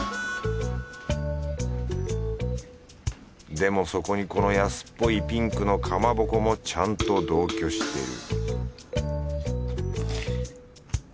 でもそこにこの安っぽいピンクのかまぼこもちゃんと同居してる